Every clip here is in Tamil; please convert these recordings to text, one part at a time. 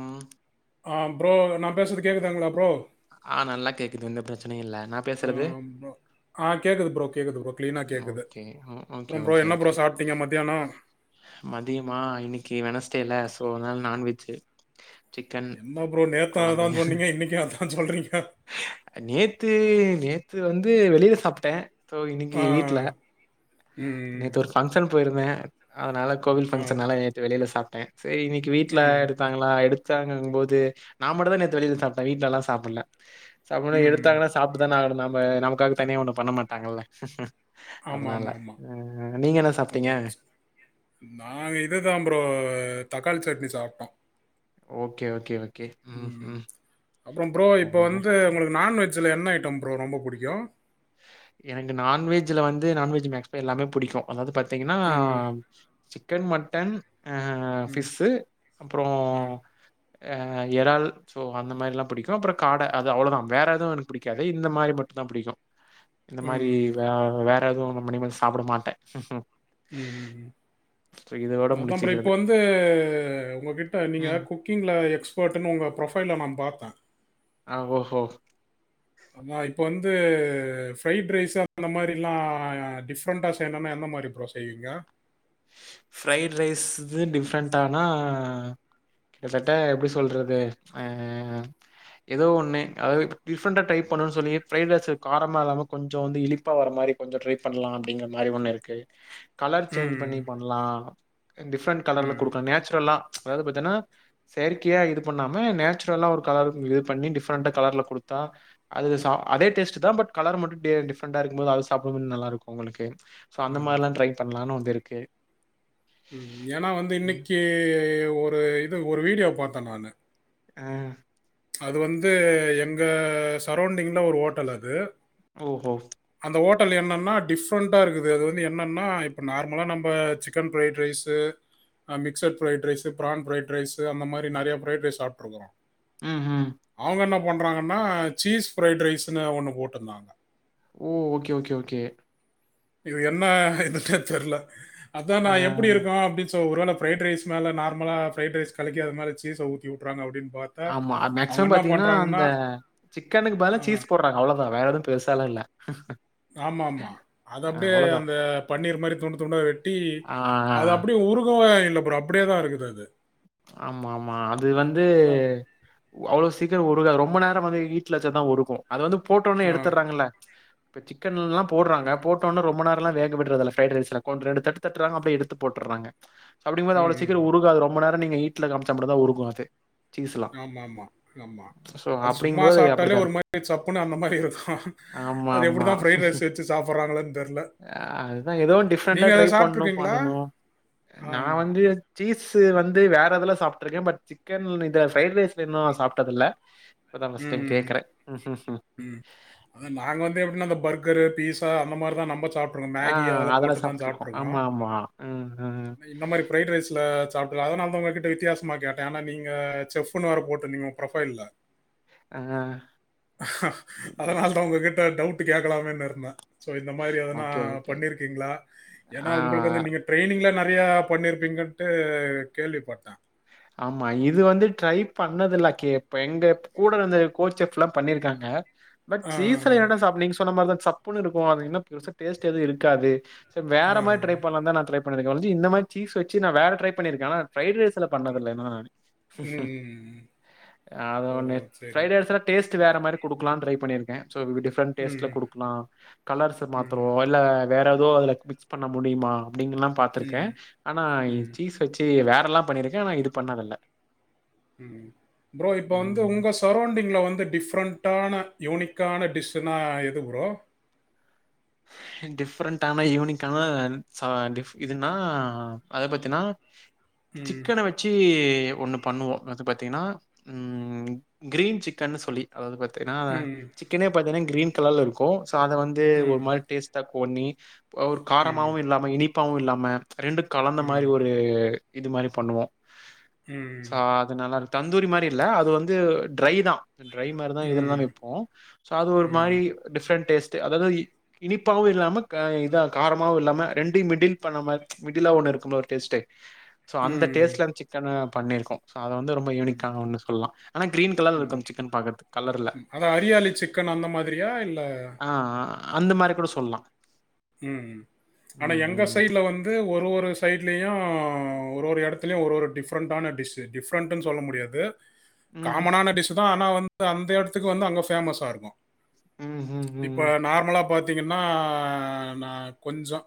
ம் ஆ ப்ரோ நா பேசுறது கேக்குதாங்களா ஆ நல்லா கேக்குது எந்த பிரச்சனையு இல்ல நான் ஆ பேசுறது? ப்ரோ ஆ கேக்குது ப்ரோ கேக்குது ப்ரோ கிளீனா கேக்குது ஓகே. ம். ஓகே, அப்புற ப்ரோ ஓகே, என்ன ப்ரோ ஓகே. சாப்ட்டீங்க மத்தியானோ மதியமா இன்னைக்கு வெனஸ்டேல சோ அதனால நாண்வெஜ்ஜு என்ன ப்ரோ நேத்து அததா சொன்னீங்க இன்னைக்கு அதா சொல்றீங்க நேத்து நேத்து வந்து வெளியில சாப்ட்ட சோ இன்னைக்கு ஆ வீட்ல ம் நேத்து ஒரு ஃபங்க்ஷன் போயிருந்த அதனால கோவில் ஆ ஃபங்க்ஷனால நேத்து வெளியில சாப்ட்ட சேரி இன்னைக்கு வீட்ல ம் எடுத்தாங்களா எடுத் தாங்கங்கம் போது நா மட்டுந்தா நேத்து வெளில சாப்ட்ட வீட்லல்லா சாப்புட்ல சாப்புன்னு ம் எடுத்தாங்கன்னா சாப்ட்டு தான ஆகணும் நம்ம நமக்காக தனியா ஒன்னும் பண்ண மாட்டாங்கல்ல ஆமா அதனால. ஆமாமா அ நீங்க என்ன சாப்ட்டீங்க? நா இதுதா ப்ரோ தக் காளி சட்னி சாப்ட்டோ ஓகே ஓகே ம் அப்புற ப்ரோ இப்ப சரிங்க. வந்து உங்களுக்கு நாண்வெஜ்ல என்ன ஐட்டம் ப்ரோ ரொம்ப புடிக்கு எனக்கு நாண்வெஜ்ல வந்து நாண்வெஜ் மேக்சிமம் எல்லாமே புடிக்கும் அதாவது பாத் தீங்கன்னா ம் சிக்கன் மட்டன் ஆ ம் ஃபிஸ்ஸு அப்புறோ ம் ஆ எறால் சோ அந்த மாரில்லா புடிக்கு அப்புற காட அது அவ்ளோதா வேற எதுவு எனக்கு புடிக்காது இந்த மாரி மட் டுந்தா புடிக்கு இந்த மாரி வேற வேற எதுவு நொம்மணிமல சாப்புட மாட்ட ம் ம் ஸ்ர இதுவொ அதா ப்ரோ இப்ப வந்து ஒங்ககிட்ட நீங்க ம். குக்கிங்ல எக்ஸ்பர்ட்ன்னு ஒங்க ப்ரொஃபைல்ல நா பாத்தே அ ஓஹோ அதா இப்ப வந்து ஃப்ரைட் ரைஸு அந்த மாரில்லா டிஃப்ரண்டா செய்யணூனா என்ன மாரி ப்ரோ செய்வீங்க ஃப்ரைட் ரைஸ்ஸுது டிஃப்ரண்டானா கிட்டத்தட்ட எப்டி சொல்றது அ ஏதோ ஒண்ணு அதாவது டிஃப்ரண்டா ட்ரை பண்ணனு சொன்னீங்க ஃப்ரைட் ரைஸு காரமா இல்லாம கொஞ்சோ வந்து இனிப்பா வர மாரி கொஞ்சொ ட்ரை பண்ணலா அப்டிங்கிற மாரி ஒண்ணு இருக்கு கலர் சேஞ்ச் ம் பண்ணி பண்லா டிஃப்ரண்ட் கலர்ல ம் குடுக்கலா நேச்சுரலா அதாவது பாத்தனா செயற்கையா இது பண்ணாம நேச்சுரலா ஒரு கலர் இது பண்ணி டிஃப்ரண்ட்டா கலர்ல குடுத்தா அது சா அதே டேஸ்ட்டு தா பட் கலர் மட்டு டே டிஃப்ரண்டா இருக்கும்போது அது சாப்டுமுன் நல்லாருக்கு ஒங்களுக்கு சோ அந்த மார்ல்லா ட்ரை பண்ணலானு ஒந்து இருக்கு ம் ஏன்னா வந்து ம். இன்னக்கி ஒரு இது ஒரு வீடியோ பாத்தே நானு ஆ அது வந்து எங்க சரோண்டிங்ல ஒரு ஓட்டல் அது ஓஹோ [unintelligible] என்னன்னா டிஃப்ரண்டா இருக்குது அது வந்து என்னன்னா இப்ப நார்மலா நம்ப சிக்கன் ஃபிரைட் ரைஸ்ஸு அ mixed fried rice prawn fried rice அந்த மாரி நெறைய ஃபிரைட் ரைஸ்ஸு சாப்ட்றுகுறோ ம் ம் அவுங்க என்னா பண்றாங்கன்னா சீஸ் ஃபிரைட் ரைஸ்ஸுன்னு ஒண்ணு போட்ருந்தாங்க ஓ ஓகே ஓகே ஓகே இது என்னா இதுனே தெர்ல அதா நா ஆ எப்டி இருக்கு அப்டின் சொ ஒருவேள ஃபிரைட் ரைஸ் மேல நார்மலா ஃபிரைட் ரைஸ் கலக்கி அதுமேல சீஸ ஊத்தி வுட்றாங்க அப்டின் ஆமா அது மேக்சிமம் பாத்தீங்கன்னா அந்த சிக்கனுக்கு பதிலா சீஸ் போட்றாங்க அவ்ளதா வேற எதுவு பெருசாலா இல்ல [inaudible] ஆமா ஆமா அது அ அப்டியே அவ்வளவுதான். அந்த பன்னீர் மாரி துண்டு துண்டா வெட் டி ஆ அது அப்டியே உருகவலா இல்ல அப்டியே தா இருக்குது அது ஆமா ஆமா அது வந்து அதான் அவ்ளோ சீக்கிரோ உருகாது ரொ ரொம்ப நேரோ வந்து ஹீட்ல வச்சாதா உருகு அது வந்து போட்டோனே ஆ எடுத்தற்றாங்கல்ல இப்ப சிக்கன் எல்லா போட்றாங்க போட்டோனொ ரொம்ப நேரலா வேக விட்றது இல்ல ஃப்ரைட் ரைஸ்ல கொஞ் ரெண்டு தட் தட்றாங்க அப்பறோ எடுத்து போட்டு றாங்க அப்டிங்கும் போது ம் அவ்ள ம் சீக்கிர ம். உருகாது ரொம்ப நேரோ நீங்க ஹீட்ல காம்ச்சா மட்டுதா உருகு அது சீஸ்லாம். ஆமா ஆமா ஆமா ஸோ அது சும்மா அப்படிங்கும்போது சாப்ட்டாலே அப்படிதான் ஒரு இருக்கும். மாரி சப்புன்னு அந்த மாரி இருக்கு ஆமா ஆமா தெரில அதுதா ஏதோ டிஃப்ரண்டா நீங்க அத ட்ரை பண்ணு பண் சாப்பிட்டுருக்கீங்களா? பண்ணனு ஆ. நா வந்து சீஸு வந்து வேற இதுல சாப்ட்ருக்கே பட் சிக்கன் இத ஃப்ரைட் ரைஸ்ல இன்னோ சாப்ட்டது இல்ல ம் ம் ம் ம் அது நாங்க வந்து எப்டினா அந்த பர்கரு பீஸ் சா அந்த மாரி தா நம்ம ச சாப்ட்ருக்கோ ஆ மேகி அதல்லா அதுல போட்டு தா சாப்ட்டுருக்கோம். சாப்ட்ருக்கோ ஆமா, ஆமா. ம், ம். இந்த மாரி ஃபிரைட் ரைஸுல சாப் இல்ல அதுனாலதா உங்க கிட்ட வித்தியாசமா கேட்டே ஏன்னா நீங்க செஃப்ன்னு வேர போட்ருந்தீங்க ஒங் ப்ரொஃபைல்ல ஆ அதுனாலதா உங்ககிட்ட டவுட் கேக்கலாமேனு இருந்தே சோ இந்த மாரி எதனா ஓகே, ஓகே. பண்ணீர்க்கீங்களா ஏன்னா ஆ உங்களுக்கு வந்து நீங்க ட்ரைனிங்ல ந நெறையா பண்ணீர்ப்பீங்கன்ட்டு கேள்விப்பட்டே ஆமா இது வந்து ட்ரை பண்ணதுல கீ இப்ப எங்க கூட இருந்த கோச் எஃப்ல்லா பண்ணிருக்காங்க பட் ஆ, ஆ. சீஸ்ல என்னடா சாப் நீங்க சொன்ன மாரிதா சப்புன்னு இருக்கு அதுக் என்ன பெருசா டேஸ்ட் எது இருக்காது சர் வேற ஆ. மாரி ட்ரை பண்லான்தா நா ட்ரை பண்ணீற்கே ஒழுஞ்சு இந்த மாரி சீஸ் வச்சு நா வேற ட்ரை பண்ணீற்கே ஆனா ஃப்ரைட் ரைஸ் த்ல பண்ணதில்ல நானு ம். அது ஓ! ஒன்னு சரிங்க. ஃப்ரைட் ரைஸ்ல டேஸ் டு வேற மாரி குடுக்கலான் ட்ரை பண்ணிருக்கே சோ வி விட் டிஃப்ரண்ட் டேஸ்ட்ல ம். குடுக்லா கலர்ஸ்ஸு மாத்துறோ ம். இல்ல வேற எதூ அதுல மிக்ஸ் பண்ண முடிமா அப்டிங்கலா பாத்துருக்கே ம். ஆனா ம். சீஸ் வச்சு வேற றல்லா பண்ணிருக்கே ஆனா இது பண்ணதில்ல ம் ப்ரோ இப்ப வந்து ம் உங்க சரோண்டிங்ல வந்து டிஃப்ரண் முட்டான யூனிக்கான டிஸ்சுனா எது ப்ரோ டிஃப்ரெண்டான யூனிகான ச டிஃப் இதுன்னா அத பத்தினா ம். சிக்கன வச்சு ஒண்ணு பண்ணுவோ அது பாத்தீங்கன்னா ம் கிரீன் சிக்கன் சொல்லி அதாது பத் தினா ம். சிக்கனே பாத்தீங்னா கிரீன் கலர்ல இருக்கு சோ அத வந்து ஒரு ம். மாரி ன்னி ஒரு ம். காரமாவு இல்லாம இனிப்பாவு இல்லாம ரெண்டு கலந்த மாரி ம். ஒரு இது மாரி பண்ணுவோ சோ ம். அதுனல்லா இரு தந்தூரி மாரி இல்ல அது வந்து ட்ரை தா ட்ரை மாரிதா இதுல்லா ம். வைப்போ சோ அது ஒரு மாரி ம். டிஃப்ரெண்ட் டேஸ்ட் அதாது இனிப்பாவு இல்லாம க இதா காரமாவு இல்லாம ரெண்டு மிடில் பண்ண மிடிலா ஒண்ணு இருக்குல ஒரு டேஸ்ட்டே சோ அந்த ம். டேஸ்ட்லஅந்த சிக்கன பண்ணிருக்கோ சோ அத வந்து ரொம்ப யூனிக்கா ஒன்னு சொல்லலா ஆனா கிரீன் கலர் இருக்கு சிக்கன் பாக்கறதுகு கலர்ல அதான் ஹரியாலி சிக்கன் அந்த மாதிரியா? இல்ல ஆ அந்த மாரி கூட சொல்லலா ம் ஆனா எங்க ம். சைட்ல வந்து ஒரு ஒரு சைட்லயு ஒரு ஒரு இடத்துலயு ஒரு ஒரு டிஃப்ரெண்ட்டான டிஷு டிஃப்ரெண்ட்டு சொல்ல முடியாது ம், காமனான டிஷ் தா ஆனா வந்து அந்த இடத்துக்கு வந்து அங்க ஃபேமஸ்ஸா இருக்கு ம், ம், இப்ப ம். நார்மலா பாத்தீங்கன்னா நா கொஞ்சோ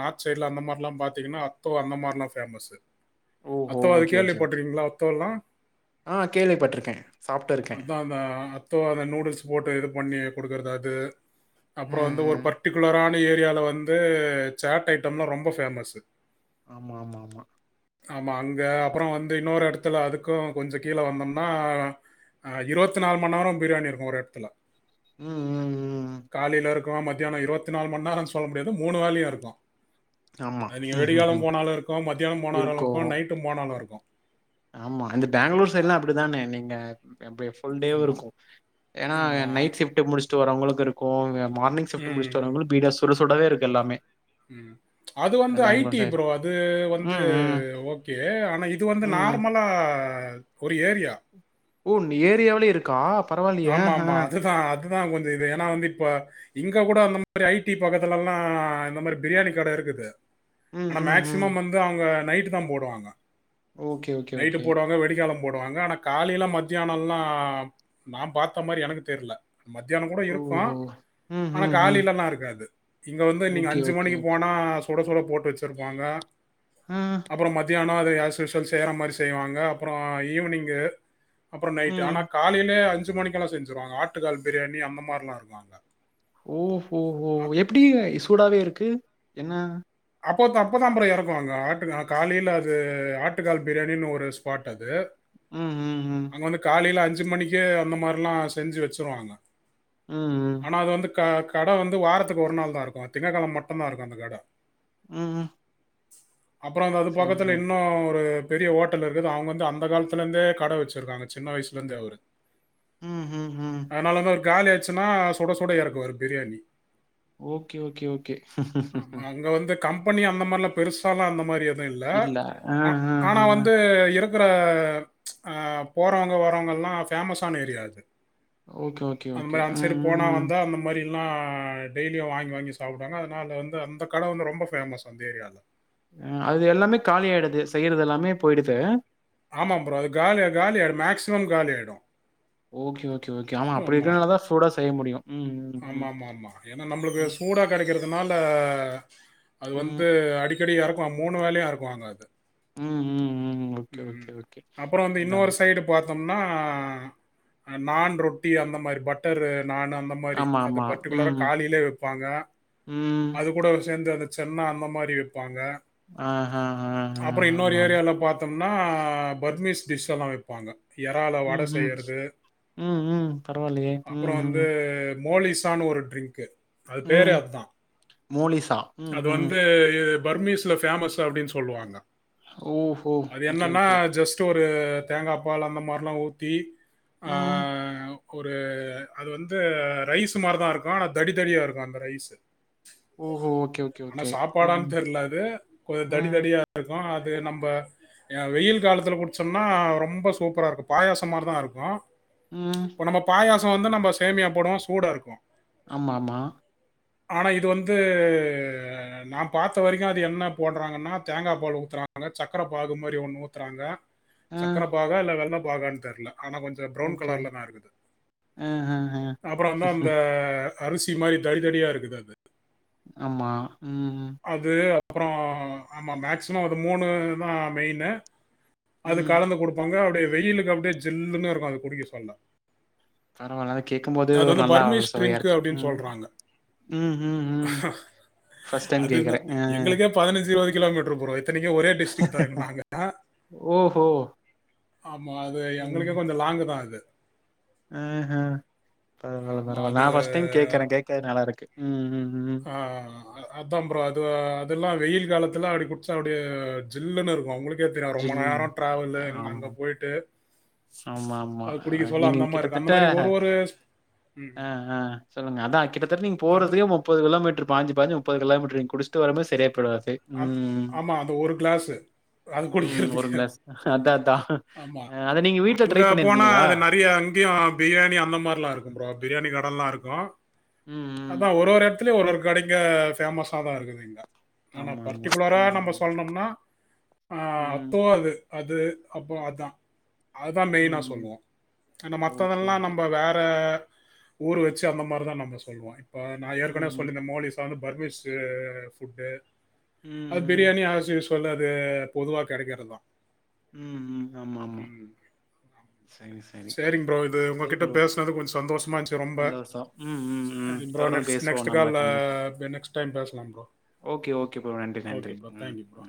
நார்த் சைட்ல அந்த மாரில்லா பாத்தீங்கன்னா அத்தோ அந்த மாரி எல்லா பேமஸு ஓஹோ! அத்தோ அது ஓகே, கேள்வி ஓகே, ஓகே. பட்டிருக்கீங்களா அத்தோல்லா ஆ கேள்விப்பட்டிருக்க சாப்ட்டு இருக்கே அதான் அந்த அத்தோ அந்த நூடுல்ஸ் போட்டு இது பண்ணி கொடுக்கறது அது ம், அப்புறம் வந்து ஒரு ம். பர்டிகுலரா ஏரியால வந்து சாட் ஐட்டம்லா ரொம்ப பேமஸு ஆமா ஆமா ஆமா ஆமா அங்க அப்ற வந்து இன்னொரு இடத்துல அதுக்கு கொஞ்ச கீழ வந்தோம்னா ஆ இருவத்து நாள் மணி நேரமு பிரியாணி இருக்கு ஒரு எடத்துல ம் ம் ம் காலைல இருக்கு மதியானோ இருவத் நாலு மணி நேரம் சொல்ல முடியாது மூணு வேலயு இருக்கு ஆமா அது நீங்க ம் ம் வெடிகாலம் ம் போனாலு இருக்கு மத்தியானம் போனாலு இருக்கு நைட்டு போனாலு இருக்கு ஆமா இந்த பேங்களூர் சைட் எல்லா அப்டித்தானே நீங்க அப்ப ஃபுல் டேவும் ஆமா, இருக்கு ஏன்னா ஆமா. நைட்ஷிஃப்ட் முடிச்ட்டு வரவங்களுக்கு இருக்கு மார்னிங்ஷிஃப்ட் ம், முடிச்ட்டு வரவங்களு பீடா ஒரு சுடவே இருக்கு எல்லாமே ம் அது வந்து அந்த பெங்களூர் ஐடி சைடு ப்ரோ அது வந்து ம் ம் ஓகே ஆனா இது வந்து ம் நார்மல் ஆ ஒரு ஏரியா உ ஏரியாவிலயே இருக்கா பரவாயில்லையே அஹ தா கொஞ்சோ இது ஏன்னா வந்து இப்ப இங்க கூட அந்த மாரி ஐடி பக்கதுலல்லா இந்த மாரி பிரியாணி கட இருக் ருக்குது ம் ஆனா ம் ம் மேக்சிமம் வந்து அவங்க நைட் தா போடுவாங்க ஓகே ஓகே நைட்டு ஓகே போடுவாங்க வெடிக்காலம் போடுவாங்க ஆனா காலைல மத்தியானல்லா நா பாத்த மாரி எனக்கு தெர்ல மத்தியான கூட இருக்கு ஓஹோ ம் ஆனா ம் ம் காலிலல்லா இருக்காது இங்க வந்து நீங்க ஓகே அஞ்சு ஓகே மணிக்கு ஓகே போனா சுட சுட போட்டு வச்சிருப்பாங்க ஆ அப்புற மத்தியான யசுஷல் செய்யற மாரி செய்வாங்க அப்புற ஈவினிங் அப்புற நைட் ஆனா ம் காலைல ய அஞ்சு மணிக்கெல்லா செஞ்சுருவாங்க ஆட்டுகால் பிரியாணி அந்த மாரி எல்லா இருக்கு அங்க ஓ ஹோ ஹோ அ எப்டி சூடாவே இருக்கு என்ன அப்ப அப்ப அப்ப தா ப்ரோ எறக்குவாங்க ஆட்டுக்கா காலையில அது ஆட்டுக்கால் பிரியாணினு ஒரு ஸ்பாட் அது ம் ம் ம் அங்க வந்து காலையில அஞ்சு மணிக்கு அந்த மாரில்லா செஞ்சு வச்சிருவாங்க ம் ம் ஆனா அது வந்து கட வந்து வாரத்துக்கு ஒரு நாள் தா இருக்கு திங்ககெளம மட்டுந்தா இருக்கு அந்த கட ம் ம் அப்புறம் அந்த அது சரி பக்கத்துல சரி இன்னும் ஒரு பெரிய ஓட்டல் இருக்குது அவங்க வந்து அந்த காலத்துலேந்தே கட வச்சிருக்காங்க சின்ன வயசுலேந்தே அவரு ம் ம் ம் அதனால வந்து அவரு காலி ஆச்சுன்னா சுட சுட எறக்குவாரு பிரியாணி ஓகே ஓகே ஓகே பண்ணி அந்த மாரிலா பெருசாலா அந்த மாரி எது இல்லா ஆ ஆனா வந்து இருக் குற அ போறவங்க வரவங்க எல்லா ஃபேமஸான ஏரியா அது ஓகே ஓகே அந்த ஓகே மா அந்த ம் சைடு ம் போனா ம் வந்தா அந்த மாரி ல்லா டெய்லியு வாங்கி வாங்கி சாப்புடுவாங்க அதனால வந்து அந்த கட வந்து ரொம்ப ஃபேமஸ் அந்த ஏரியால அ அது எல்லாமே காலியாயிடுது செய்யறது எல்லாமே போயிடுது ஆமா ப்ரோ அது காலி காலியிடு மேக்சிமம் காலியாயிடு ஓகே ஓகே ஓகே ஆமா அப்டி இருக்கனால தா சூடா செய்ய முடியு ஆமா ஆமா ஆமா ஏனா நம்ளுக்கு ம் சூடா கெடைக்கறதுனால அது ம் வந்து அடிக்கடி எறக்குவாங் மூணு வேலயு எறக்குவாங்க அது ம் ம் ம் ஓகே ம் ஓகே ஓகே அப்ரோ வந்து அதா இன்னொரு சைடு பாத்த தம்னா நான் ரொட்டி அந்த மாரி பட்டரு நானு அந்த மாரி ஆமா அது ஆமா பர்ட்டிகுலார ம் காலிலே வைப்பாங்க ம் அது கூட சேந்து அந்த சென்னா அந்த மாரி வெப்பாங்க ஆ ஆ ஆ ஆ அப்றம் இன்னொரு ஆமா ஆமா ஏரியால பாத் னா பர்மிஸ் டிஷ்ஷெல்லா வைப்பாங்க ஏறால வட ம் ம் செய்றது ம் ம் பரவாயில்லையே அப்ரோ ம் வந்து ம் மோலிஸானு ஒரு ட்ரிங்க்கு அது பேரே ம் அதா மோலிசா ம் அது ம் வந்து பர்மிஸ்ல ஃபேமசு அப்டின் சொல்வாங்க ஓ அது என்னன்னா ஜஸ்ட் ஒரு தேங்கா பால் அந்த மாரில்லா ஊத்தி ம் ஒரு அது வந்து ரைஷூ மாரி தாருக்கு ஆனா தடி தடியாருக்கு அந்த ரைஸு ஓஹோ! ஓகே, ஓகே, ஆனா ஓகே. சாப்பாடான் ம், தெர்ல அது கொஞ் தடி ம், தடியாருக்கு அது நம்ம அ வெயில் காலத்துல குச்சம்னா ரொம்ப சூப்பராருக்கு பாயாசோ மாரிதா இருக்கு ம். இப்ப நம்ம பாயாசோ வந்து நம்ம சேமியா போடுவோ சூடாருக்கு ஆமாமா ஆனா இது வந்து நா பாத்த வரைக்கு அது என்ன போட்றாங்கன்னா தேங்கா பால் உத்துறாங்கலா சக்கர பாகு மாரி ஒன்னு ஊத்துறாங்க ஆ, சக்கர பாகா இல்ல வெள்ள பாகான் தெர்ல ஆனா கொஞ்சோ ப்ரவுன் ஓகே. கலர்ல தா இருக்குது அ, அ, அ. அப்றம் வந்து அந்த அரிசி மாரி தடி தடியா இருக்குது அது ஆமா ம், அது அப்ரோ ஆமா மேக்சிம அது மூணுதா மெயினு அது ம். கலந்து குடுப்பாங்க அப்டே வெயிலுக்கு அப்டே ஜில்லுன்னு இருக்கு அது குடிக்க சொல்ல பரவால்ல அது கேக்கு போது அது ஒரு வந்து நல்லா ஒரு பர்மிஷ் ட்ரிங்க் சுவையாருக்கு அப்படின்னு ம் சொல்கிறாங்க ம் ம் ம் ஃபஸ்ட் அது என்ன எங்குளுக்கே பதினஞ்சு இருவது கிலோமீட்ரு [unintelligible] இத்துனிக்கு ஒரே டிஸ்ட்ரிக்ட் தா [unintelligible] நாங்க தா ஓஹோ! ஆமா அது எங்களுக்கே கொஞ்சோ லாங்கு தா அது அ ஹ பரவால்ல ஆமாம் பரவால்ல நா அது ஃபர்ஸ்ட் டைம் கேக்குறே கேக்கறது நல்லாருக்கு ம் ம் ம். ஆ ஆ ஆ அதா ப்ரோ அது அதெல்லா வெயில் காலத்து துல அப்டி குடிச்சா அப்டே ஜில்லுனு இருக்கு ஒங்குளுக்கே தெரியு ரொம்ப நேரோ ஜில்லுன்னு. டிரவலு ஆமா, அங்க போயிட்டு ஆமா ஆமா அது குடிக்க சொல்ல நீங்க அந்த மாதிரி இருக்கும் கிட்டத்தட்ட அந்த மாதிரி ஒரு ஒரு ம், அ அ சொல்லுங்க அதா கிட்டத்தட்ட நீங்க அது போறதுக்கே முப்பது கிலோமீட்ரு பாஞ்சு பாஞ்சு முப்பது கிலோமீட்டர் குடிச்சிட்டு வரும்போது சரியா போயிடும் அது அ ம். ஆமா அது ஒரு கிளாசு அது ம். குடிக்கிறதுக்கு கிளாஸ். அதான், அதான். ஆமா அ அத நீங்க வீட்ல ட்ரை அங்க போனா பண்ணியிருக்கீங்களா? அது நிறைய அங்கேயும் பிரியாணி அந்த மாதிரி எல்லாம் இருக்கு ப்ரோ பிரியாணி நல்லா இருக்கு ம், ம். அதான் ஒரு ஒரு இடத்துல ஒரு ஒரு கடை இங்க பேமஸா தான் இருக்குது இங்க ஆனா ஆமா, ஆமா. பர்ட்டிகுலரா நம்ம ம். சொல்லனோம்னா ஆஹ் ம். அத்தோ அது அது அப்போ அதா அதுதான் ம். மெயினா ம். சொல்லுவோம் ஆனா ஓகே, மத்ததெல்லாம் ஓகே. நம்ம வேற ஊர் வச்சு அந்த மாதிரிதான் நம்ம சொல்லுவோம் இப்ப நான் ஏற்கனவே ம். சொல்லிருந்த மோலிசா வந்து பர்மிஸ் ம். அது ம். பிரியாணி அசுஸ்வல் பொதுவா கிடைக்கிறத ம் ம் ஆமா ஆமா சரி ப்ரோ இது சரி உங்ககிட்ட ப்ரோ. பேசுனது கொஞ்சம் சந்தோஷமா இருச்சு ரொம்ப சந்தோஷம். ம். ம். ம். தொடர்ந்து நெக்ஸ் பேசுவோம் நெக்ஸ்ட் நம்ம கால்ல கண்டிப்பா. நெக்ஸ்ட் டைம் பேசலாம் ப்ரோ ஓகே ஓகே ப்ரோ நன்றி நன்றி ஓகே ப்ரோ ம் தேங்க்யூ ப்ரோ